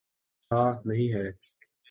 تھا، نہیں ہے۔